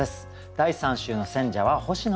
第３週の選者は星野高士さんです。